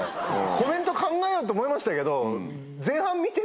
コメント考えようと思いましたけど。